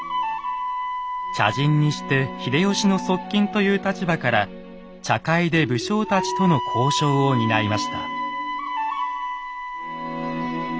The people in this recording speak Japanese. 茶人にして秀吉の側近という立場から茶会で武将たちとの交渉を担いました。